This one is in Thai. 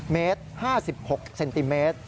เมตร๕๖เซนติเมตร